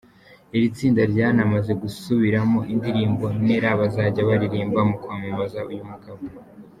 Iri tsinda ryanamaze gusubiramo indirimbo ‘Neera’ bazajya baririmba mu kwamamaza uyu mugabo.